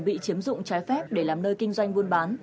bị chiếm dụng trái phép để làm nơi kinh doanh buôn bán